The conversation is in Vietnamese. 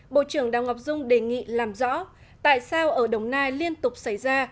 bộ trưởng đào ngọc dung đề nghị làm rõ tại sao ở đồng nai liên tục xảy ra